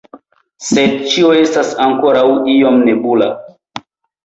Sed ĉio estas ankoraŭ iom nebula.